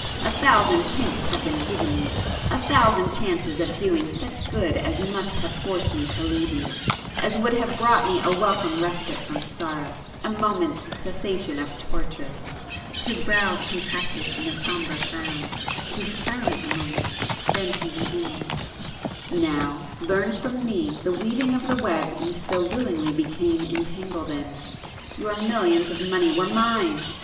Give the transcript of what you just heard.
A thousand hints have been given you,—a thousand chances of doing such good as must have forced me to leave you,—as would have brought me a welcome respite from sorrow,—a moment's cessation of torture!" His brows contracted in a sombre frown,—he was silent a moment,—then he resumed— "Now learn from me the weaving of the web you so willingly became entangled in! Your millions of money were [p 464] Mine!